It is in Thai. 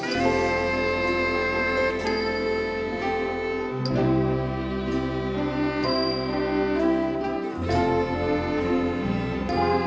กล่องเชียร์แน่น